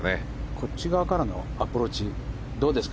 こっち側からのアプローチどうですか？